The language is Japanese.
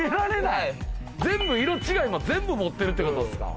色違いも全部持ってるってことですか？